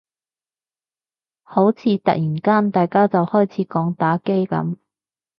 好似突然間大家就開始講打機噉